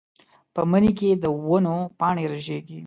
په مني کې د ونو پاڼې رژېږي.